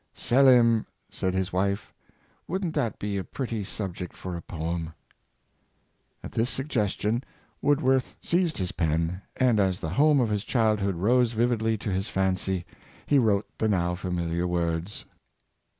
" Selim," said his wife, ''wouldn't that be a pretty subject for a poem? " At this sugges tion Woodworth seized his pen, and as the home of his childhood rose vividly to his fancy, he wrote the now familiar words.